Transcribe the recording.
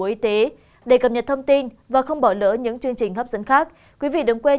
bộ y tế để cập nhật thông tin và không bỏ lỡ những chương trình hấp dẫn khác quý vị đừng quên